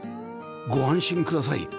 ご安心ください